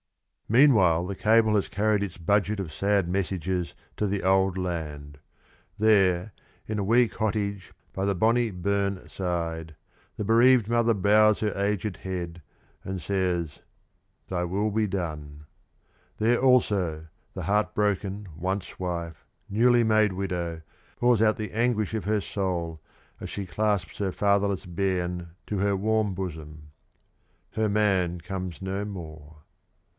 Meanwhile, the cable has carried its budget of sad messages to the old land. There, in a wee cottage by the bonnie burn side, the bereaved mother bows her aged head and says, "Thy will be done." There also the heart broken once wife, newly made widow, pours out the anguish of her soul as she clasps her fatherless bairn to her warm bosom. Her man comes no more.